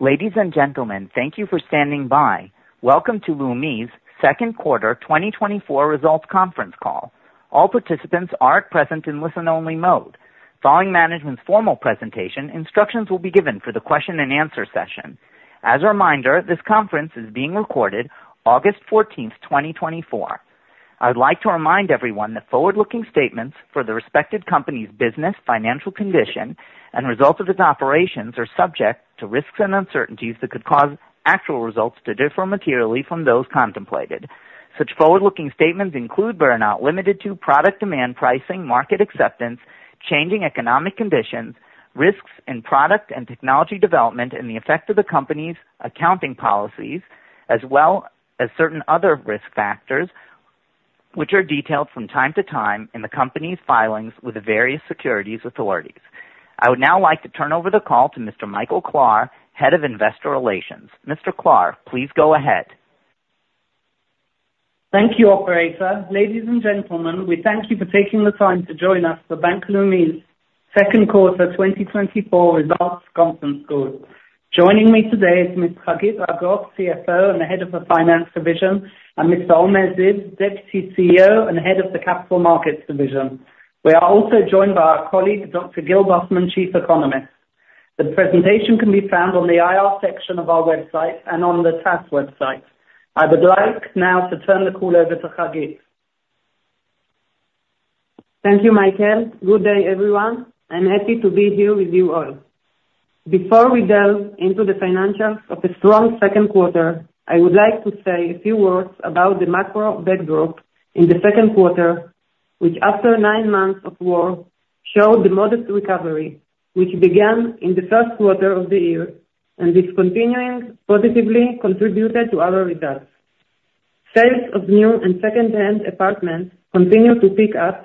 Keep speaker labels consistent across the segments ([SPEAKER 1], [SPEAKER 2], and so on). [SPEAKER 1] Ladies and gentlemen, thank you for standing by. Welcome to Leumi's second quarter 2024 results conference call. All participants are at present in listen-only mode. Following management's formal presentation, instructions will be given for the question and answer session. As a reminder, this conference is being recorded August 14, 2024. I would like to remind everyone that forward-looking statements for the respective company's business, financial condition, and results of its operations are subject to risks and uncertainties that could cause actual results to differ materially from those contemplated. Such forward-looking statements include, but are not limited to: product demand pricing, market acceptance, changing economic conditions, risks in product and technology development, and the effect of the company's accounting policies, as well as certain other risk factors, which are detailed from time to time in the company's filings with the various securities authorities. I would now like to turn over the call to Mr. Michael Klahr, Head of Investor Relations. Mr. Klahr, please go ahead.
[SPEAKER 2] Thank you, operator. Ladies and gentlemen, we thank you for taking the time to join us for Bank Leumi's second quarter 2024 results conference call. Joining me today is Miss Hagit Argov, CFO and Head of the Finance Division, and Mr. Omer Ziv, Deputy CEO and Head of the Capital Markets Division. We are also joined by our colleague, Dr. Gil Bufman, Chief Economist. The presentation can be found on the IR section of our website and on the TASE website. I would like now to turn the call over to Hagit.
[SPEAKER 3] Thank you, Michael. Good day, everyone. I'm happy to be here with you all. Before we delve into the financials of a strong second quarter, I would like to say a few words about the macro backdrop in the second quarter, which, after nine months of war, showed the modest recovery, which began in the first quarter of the year, and this continuing positively contributed to our results. Sales of new and secondhand apartments continued to pick up,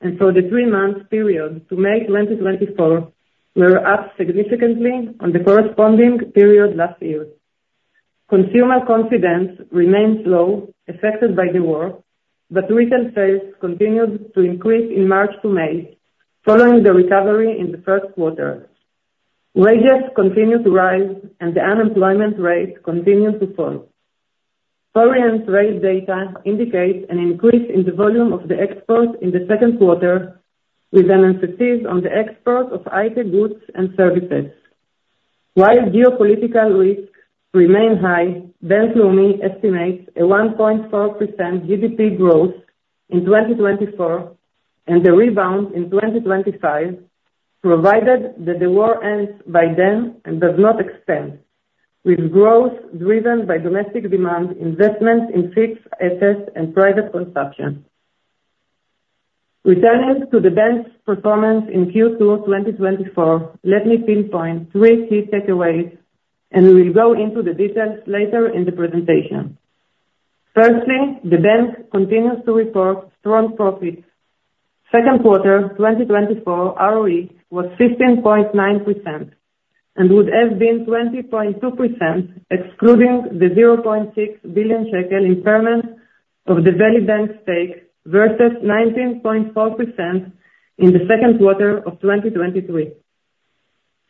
[SPEAKER 3] and for the three-month period to May 2024, were up significantly on the corresponding period last year. Consumer confidence remains low, affected by the war, but retail sales continued to increase in March to May, following the recovery in the first quarter. Wages continued to rise and the unemployment rate continued to fall. Foreign trade data indicates an increase in the volume of the exports in the second quarter, with an emphasis on the export of IT goods and services. While geopolitical risks remain high, Bank Leumi estimates a 1.4% GDP growth in 2024 and a rebound in 2025, provided that the war ends by then and does not extend, with growth driven by domestic demand, investment in fixed assets and private consumption. Returning to the bank's performance in Q2 2024, let me pinpoint three key takeaways, and we will go into the details later in the presentation. Firstly, the bank continues to report strong profits. Second quarter 2024 ROE was 15.9% and would have been 20.2%, excluding the NIS 0.6 billion impairment of the Valley Bank stake, versus 19.4% in the second quarter of 2023.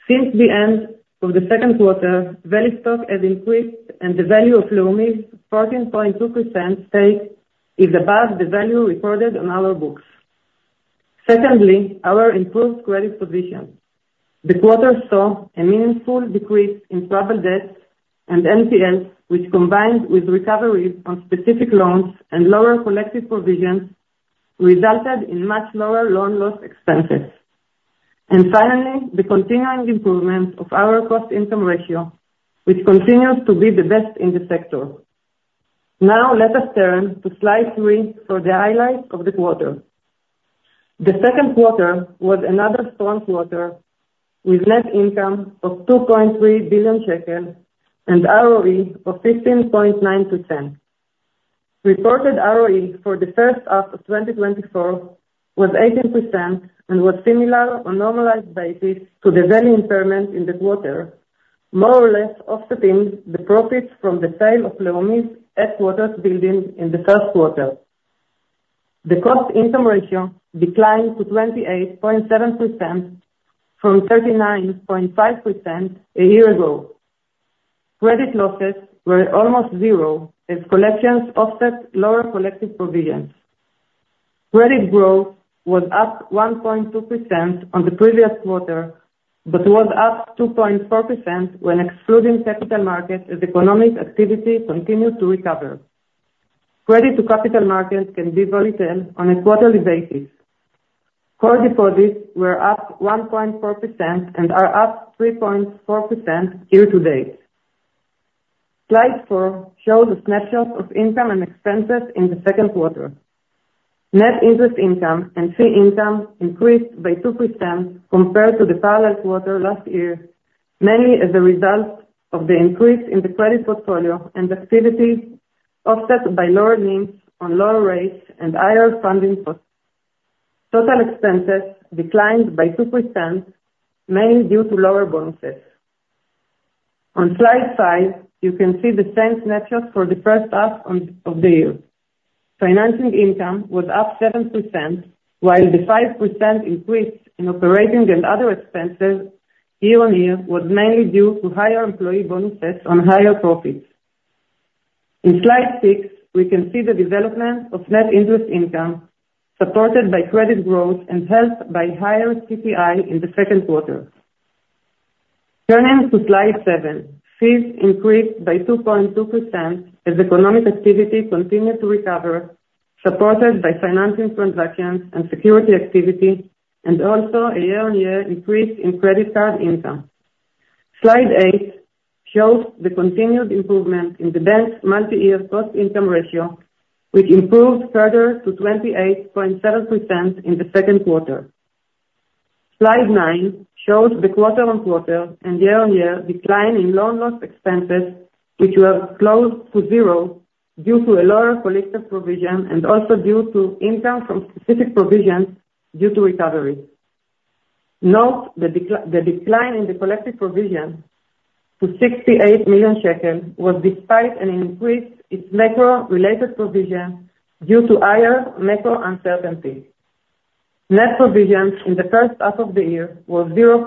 [SPEAKER 3] Since the end of the second quarter, Valley stock has increased, and the value of Leumi's 14.2% stake is above the value recorded on our books. Secondly, our improved credit position. The quarter saw a meaningful decrease in troubled debt and NPLs, which, combined with recoveries on specific loans and lower collective provisions, resulted in much lower loan loss expenses. Finally, the continuing improvement of our cost-income ratio, which continues to be the best in the sector. Now let us turn to slide 3 for the highlights of the quarter. The second quarter was another strong quarter, with net income of NIS 2.3 billion and ROE of 15.9%. Reported ROE for the first half of 2024 was 18% and was similar on a normalized basis to the value impairment in the quarter, more or less offsetting the profits from the sale of Leumi's headquarters building in the first quarter. The cost-income ratio declined to 28.7% from 39.5% a year ago. Credit losses were almost zero, as collections offset lower collective provisions. Credit growth was up 1.2% on the previous quarter, but was up 2.4% when excluding capital markets, as economic activity continued to recover. Credit to capital markets can be very little on a quarterly basis. Core deposits were up 1.4% and are up 3.4% year to date. Slide 4 shows a snapshot of income and expenses in the second quarter. Net interest income and fee income increased by 2% compared to the parallel quarter last year, mainly as a result of the increase in the credit portfolio and activities, offset by lower needs on lower rates and higher funding costs. Total expenses declined by 2%, mainly due to lower bonuses. On slide 5, you can see the same snapshot for the first half of the year. Financing income was up 7%, while the 5% increase in operating and other expenses year-on-year was mainly due to higher employee bonuses on higher profits. In slide six, we can see the development of net interest income, supported by credit growth and helped by higher CPI in the second quarter. Turning to slide seven, fees increased by 2.2% as economic activity continued to recover, supported by financing transactions and securities activity, and also a year-on-year increase in credit card income. Slide eight shows the continued improvement in the bank's multi-year cost income ratio, which improved further to 28.7% in the second quarter. Slide nine shows the quarter-on-quarter and year-on-year decline in loan loss expenses, which were close to zero, due to a lower collective provision and also due to income from specific provisions due to recovery. Note the decline in the collective provision to NIS 68 million was despite an increase in macro-related provision due to higher macro uncertainty. Net provisions in the first half of the year were 0.09%.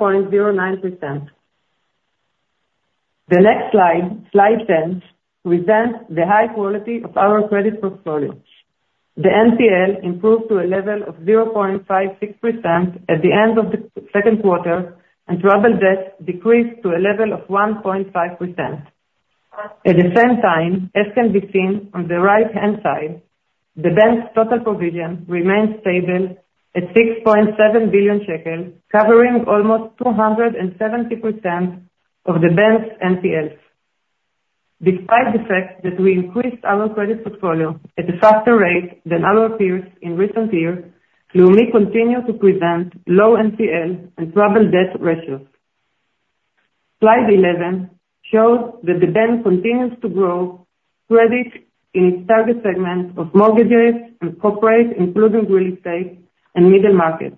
[SPEAKER 3] The next slide, slide 10, presents the high quality of our credit portfolio. The NPL improved to a level of 0.56% at the end of the second quarter, and troubled debt decreased to a level of 1.5%. At the same time, as can be seen on the right-hand side, the bank's total provision remains stable at NIS 6.7 billion, covering almost 270% of the bank's NPLs. Despite the fact that we increased our credit portfolio at a faster rate than our peers in recent years, Leumi continued to present low NPL and troubled debt ratios. Slide 11 shows that the bank continues to grow credit in its target segment of mortgages and corporate, including real estate and middle market.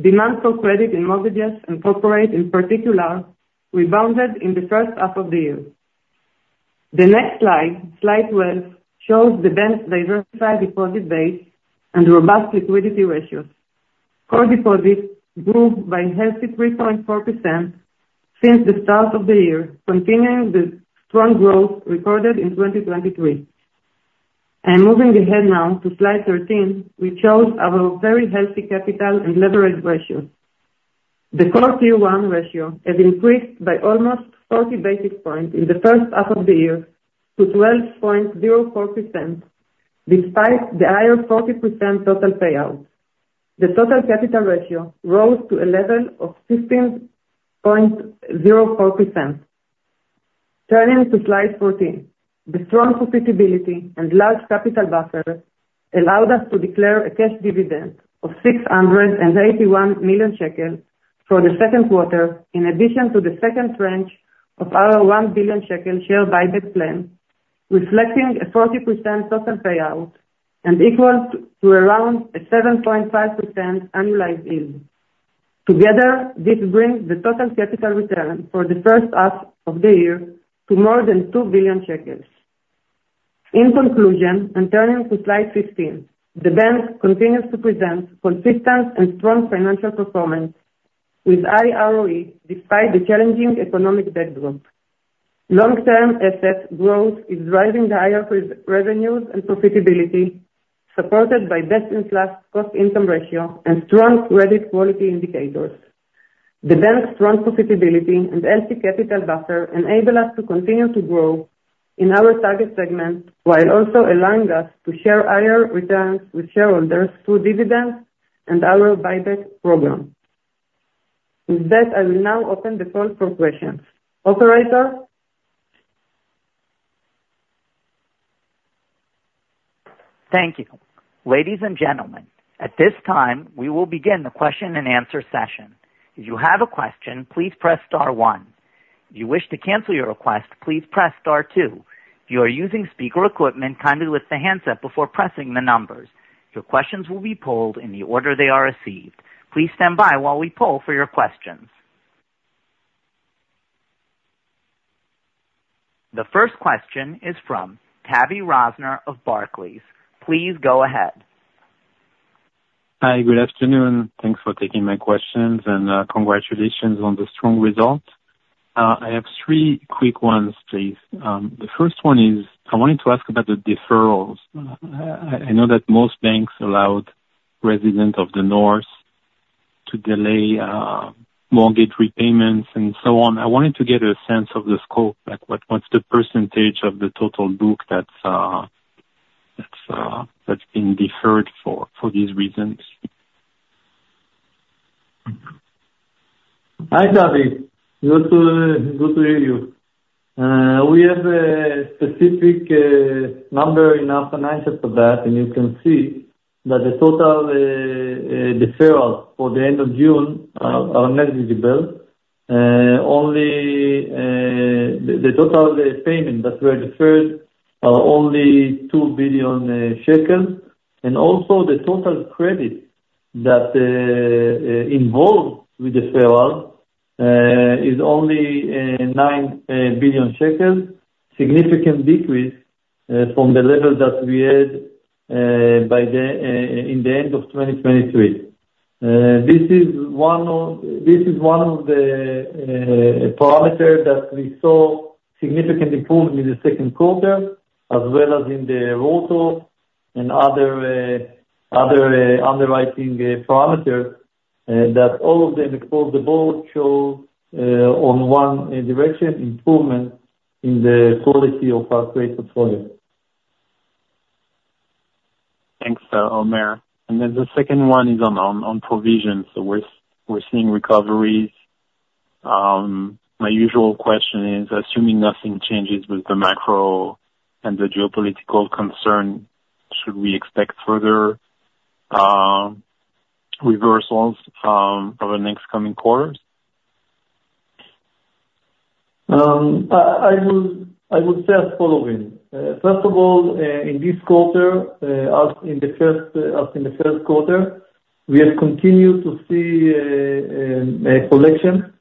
[SPEAKER 3] Demand for credit in mortgages and corporate, in particular, rebounded in the first half of the year. The next slide, slide 12, shows the bank's diversified deposit base and robust liquidity ratios. Core deposits grew by a healthy 3.4% since the start of the year, continuing the strong growth recorded in 2023. Moving ahead now to slide 13, which shows our very healthy capital and leverage ratio. The core tier 1 ratio has increased by almost 40 basis points in the first half of the year to 12.04%, despite the higher 40% total payout. The total capital ratio rose to a level of 15.04%. Turning to slide 14, the strong profitability and large capital buffer allowed us to declare a cash dividend of NIS 681 million for the second quarter, in addition to the second tranche of our NIS 1 billion share buyback plan, reflecting a 40% total payout and equal to around a 7.5% annualized yield. Together, this brings the total capital return for the first half of the year to more than NIS 2 billion. In conclusion, and turning to slide 15, the bank continues to present consistent and strong financial performance with high ROE, despite the challenging economic backdrop. Long-term asset growth is driving higher pre-provision revenues and profitability, supported by best-in-class cost-income ratio and strong credit quality indicators. The bank's strong profitability and healthy capital buffer enable us to continue to grow in our target segment, while also allowing us to share higher returns with shareholders through dividends and our buyback program. With that, I will now open the call for questions. Operator?
[SPEAKER 1] Thank you. Ladies and gentlemen, at this time, we will begin the question-and-answer session. If you have a question, please press star one. If you wish to cancel your request, please press star two. If you are using speaker equipment, kindly lift the handset before pressing the numbers. Your questions will be polled in the order they are received. Please stand by while we poll for your questions. The first question is from Tavy Rosner of Barclays. Please go ahead.
[SPEAKER 4] Hi, good afternoon. Thanks for taking my questions, and, congratulations on the strong results. I have three quick ones, please. The first one is, I wanted to ask about the deferrals. I know that most banks allowed residents of the North to delay, mortgage repayments and so on. I wanted to get a sense of the scope, like, what's the percentage of the total book that's been deferred for these reasons?
[SPEAKER 5] Hi, Tavy. Good to hear you. We have a specific number in our finances for that, and you can see that the total deferral for the end of June are negligible. Only the total payment that were deferred are only NIS 2 billion shekels, and also the total credit that involved with deferral-... is only NIS 9 billion, significant decrease from the level that we had by the end of 2023. This is one of the parameter that we saw significant improvement in the second quarter, as well as in the ratio and other underwriting parameters that all of them across the board show in one direction, improvement in the quality of our credit portfolio.
[SPEAKER 4] Thanks, Omer. And then the second one is on provision. So we're seeing recoveries. My usual question is, assuming nothing changes with the macro and the geopolitical concern, should we expect further reversals over the next coming quarters?
[SPEAKER 5] I will say as following. First of all, in this quarter, as in the first quarter, we have continued to see a collective.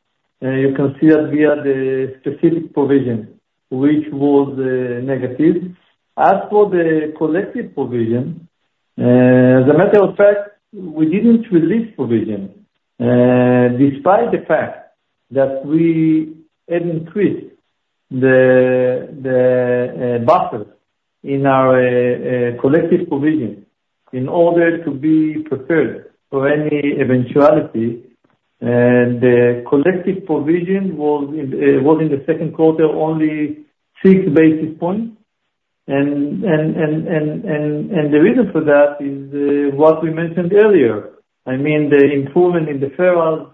[SPEAKER 5] You can see that we had a specific provision, which was negative. As for the collective provision, as a matter of fact, we didn't release provision, despite the fact that we had increased the buffers in our collective provision, in order to be prepared for any eventuality. And the collective provision was in the second quarter only six basis points. And the reason for that is what we mentioned earlier. I mean, the improvement in the portfolio,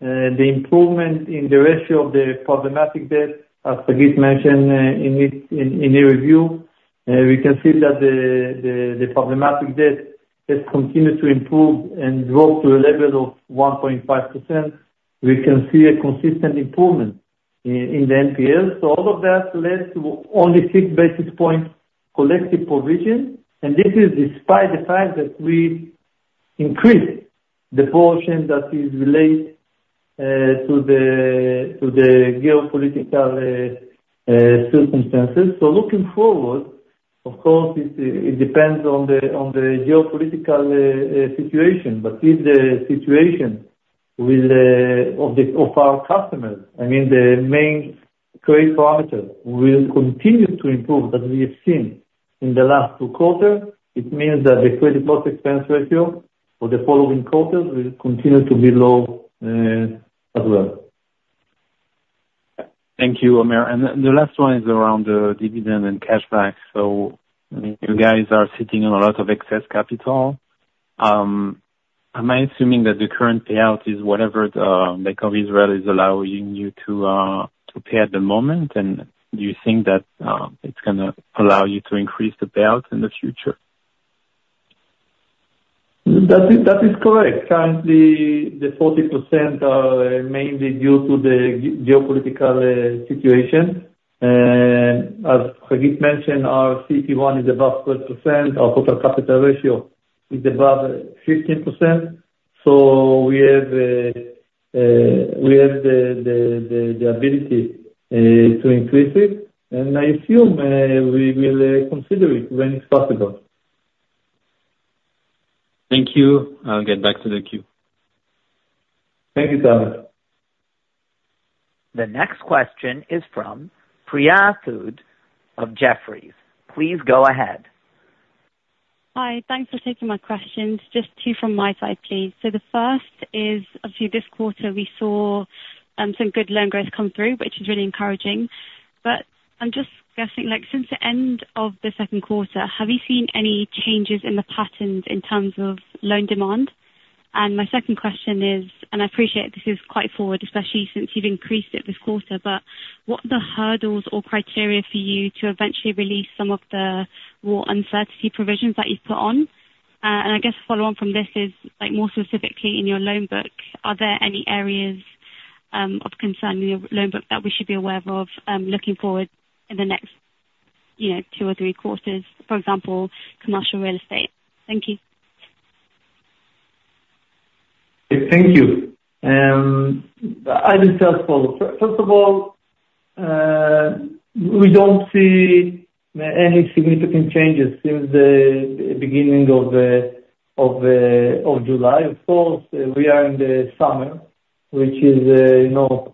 [SPEAKER 5] the improvement in the ratio of the problematic debt, as Hagit mentioned, in the review. We can see that the problematic debt has continued to improve and drop to a level of 1.5%. We can see a consistent improvement in the NPLs. So all of that led to only 6 basis points collective provision, and this is despite the fact that we increased the portion that is related to the geopolitical circumstances. So looking forward, of course, it depends on the geopolitical situation, but if the situation of our customers, I mean, the main trade parameter will continue to improve as we have seen in the last two quarters. It means that the credit cost expense ratio for the following quarters will continue to be low as well.
[SPEAKER 4] Thank you, Omer. And then the last one is around the dividend and cash back. So you guys are sitting on a lot of excess capital. Am I assuming that the current payout is whatever the Bank of Israel is allowing you to pay at the moment? And do you think that it's gonna allow you to increase the payout in the future?
[SPEAKER 5] That is, that is correct. Currently, the 40% are mainly due to the geopolitical situation. As Hagit mentioned, our CET1 is above 12%, our total capital ratio is above 15%, so we have the ability to increase it, and I assume we will consider it when it's possible.
[SPEAKER 4] Thank you. I'll get back to the queue.
[SPEAKER 5] Thank you, Tavy.
[SPEAKER 1] The next question is from Priya Rathod of Jefferies. Please go ahead.
[SPEAKER 6] Hi, thanks for taking my questions. Just two from my side, please. So the first is, obviously this quarter we saw some good loan growth come through, which is really encouraging. But I'm just guessing, like, since the end of the second quarter, have you seen any changes in the patterns in terms of loan demand? And my second question is, and I appreciate this is quite forward, especially since you've increased it this quarter, but what are the hurdles or criteria for you to eventually release some of the more uncertainty provisions that you've put on? And I guess follow on from this is, like, more specifically in your loan book, are there any areas of concern in your loan book that we should be aware of, looking forward in the next, you know, two or three quarters, for example, commercial real estate? Thank you.
[SPEAKER 5] Thank you. I will say as follows. First of all, we don't see any significant changes since the beginning of July. Of course, we are in the summer, which is, you know,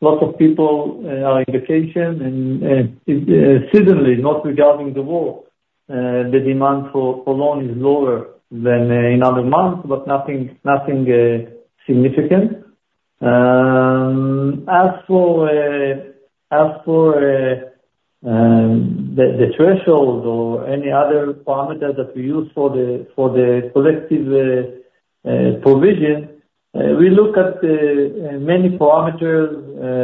[SPEAKER 5] lots of people are on vacation, and seasonally, not regarding the war, the demand for loan is lower than in other months, but nothing significant. As for the threshold or any other parameter that we use for the collective provision, we look at many parameters.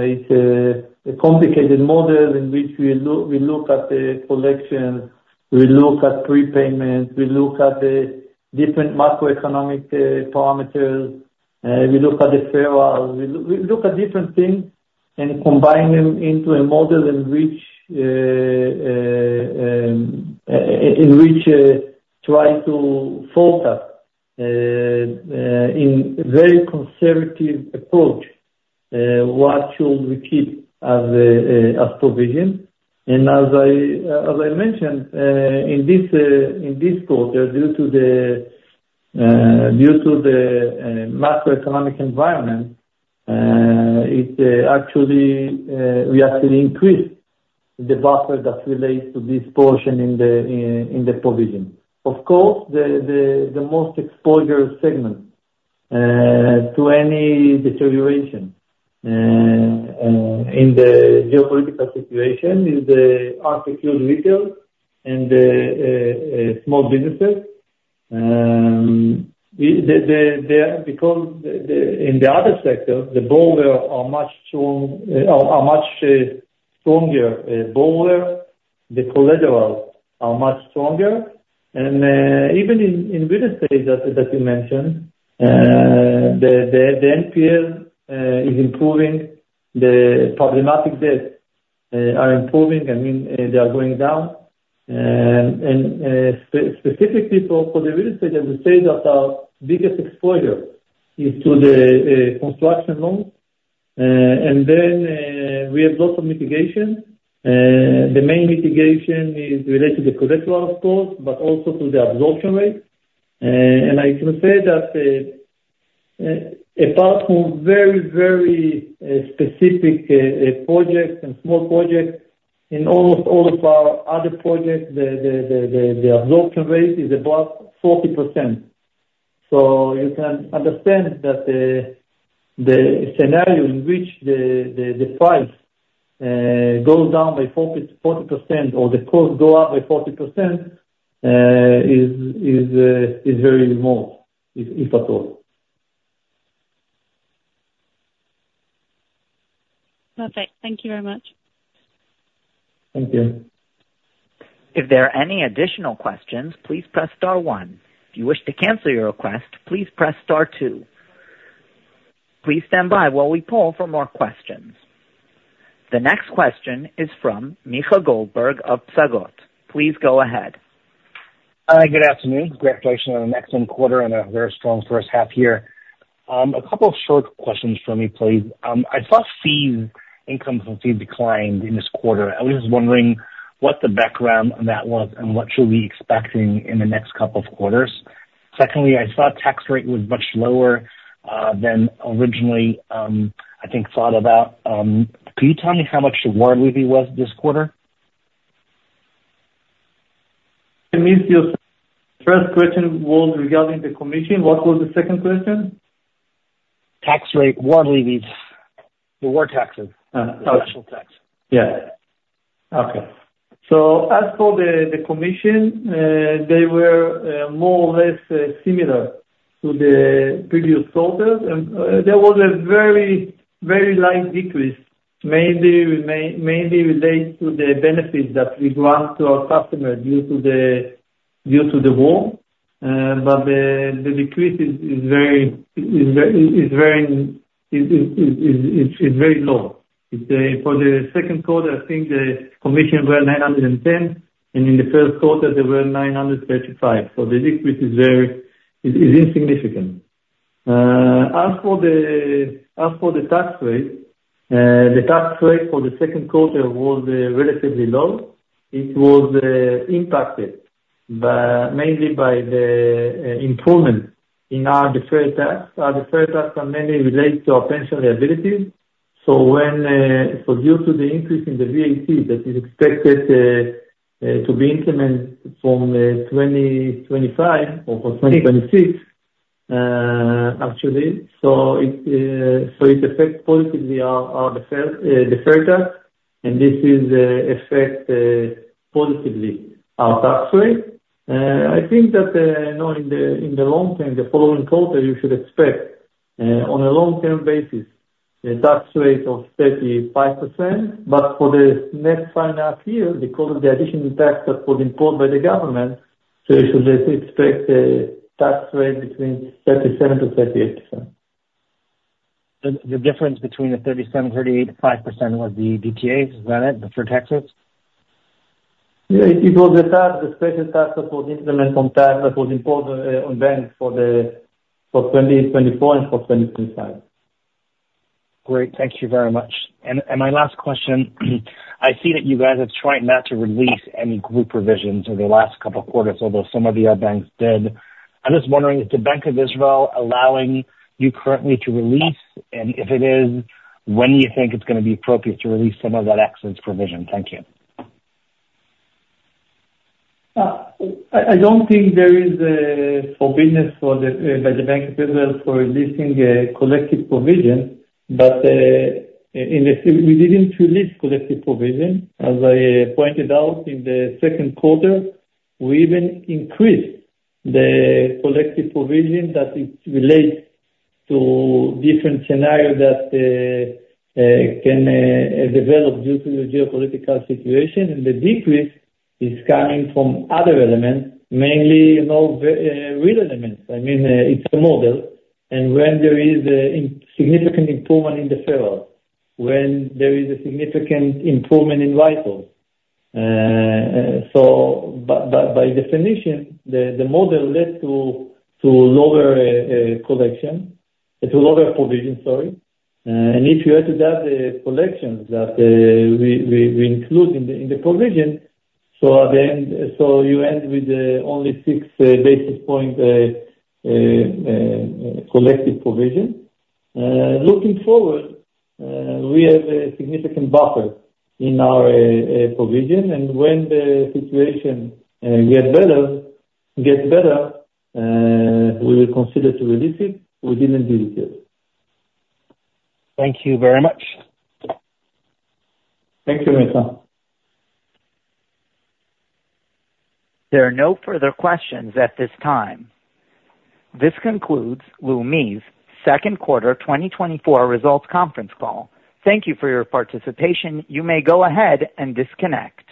[SPEAKER 5] It's a complicated model in which we look at the collection, we look at prepayment, we look at the different macroeconomic parameters, we look at the fair value. We look at different things... combine them into a model in which try to focus in very conservative approach what should we keep as a provision. As I mentioned, in this quarter, due to the macroeconomic environment, actually, we actually increased the buffer that relates to this portion in the provision. Of course, the most exposed segment to any deterioration in the geopolitical situation is the unsecured retail and small businesses. Because in the other sector, the borrowers are much stronger, the collateral are much stronger. Even in real estate that you mentioned, the NPL is improving, the problematic debt are improving. I mean, they are going down. Specifically for the real estate, I will say that our biggest exposure is to the construction loans. And then, we have lots of mitigation. The main mitigation is related to the collateral, of course, but also to the absorption rate. And I can say that, apart from very, very specific projects and small projects, in almost all of our other projects, the absorption rate is above 40%. So you can understand that the scenario in which the price goes down by 40% or the cost go up by 40% is very remote, if at all.
[SPEAKER 6] Perfect. Thank you very much.
[SPEAKER 5] Thank you.
[SPEAKER 1] If there are any additional questions, please press star one. If you wish to cancel your request, please press star two. Please stand by while we poll for more questions. The next question is from Micha Goldberg of Psagot. Please go ahead.
[SPEAKER 7] Good afternoon. Congratulations on an excellent quarter and a very strong first half year. A couple of short questions for me, please. I saw fees, income from fees declined in this quarter. I was just wondering what the background on that was and what should we be expecting in the next couple of quarters? Secondly, I saw tax rate was much lower than originally, I think, thought about. Can you tell me how much the war levy was this quarter?
[SPEAKER 5] I missed you. First question was regarding the commission. What was the second question?
[SPEAKER 7] Tax rate, war levies. The war taxes, special tax.
[SPEAKER 5] Yeah. Okay. So as for the commission, they were more or less similar to the previous quarters. And there was a very, very light decrease, mainly related to the benefits that we grant to our customers due to the war. But the decrease is very low. For the second quarter, I think the commission were NIS 910, and in the first quarter they were NIS 935, so the decrease is very insignificant. As for the tax rate, the tax rate for the second quarter was relatively low. It was impacted by mainly by the improvement in our deferred tax. Our deferred tax are mainly related to our pension liabilities. So when, so due to the increase in the VAT that is expected, to be implemented from 2025 or for 2026, actually, so it, so it affects positively our, our deferred, deferred tax, and this is, affect, positively our tax rate. I think that, you know, in the, in the long term, the following quarter, you should expect, on a long-term basis, a tax rate of 35%. But for the next financial year, because of the additional tax that was imposed by the government, so you should expect a tax rate between 37%-38%.
[SPEAKER 7] The difference between the 37%-38.5% was the DTA, is that it, deferred taxes?
[SPEAKER 5] Yeah, it was the tax, the special tax that was imposed on banks for 2024 and for 2025.
[SPEAKER 7] Great. Thank you very much. And, my last question, I see that you guys are trying not to release any group provisions over the last couple of quarters, although some of the other banks did. I'm just wondering, is the Bank of Israel allowing you currently to release? And if it is, when do you think it's going to be appropriate to release some of that excess provision? Thank you.
[SPEAKER 5] I don't think there is a forbidding by the Bank of Israel for releasing a collective provision, but in the, we didn't release collective provision. As I pointed out, in the second quarter, we even increased the collective provision that is related to different scenarios that can develop due to the geopolitical situation. And the decrease is coming from other elements, mainly, you know, real elements. I mean, it's a model, and when there is a significant improvement in the deferral, when there is a significant improvement in variables, so by definition, the model led to lower collective, to lower provision, sorry. And if you add to that, the collections that we include in the provision, so at the end, so you end with only six collective provision. Looking forward, we have a significant buffer in our provision, and when the situation gets better, we will consider to release it. We didn't do it yet.
[SPEAKER 7] Thank you very much.
[SPEAKER 5] Thank you, Micha.
[SPEAKER 1] There are no further questions at this time. This concludes Leumi's second quarter 2024 results conference call. Thank you for your participation. You may go ahead and disconnect.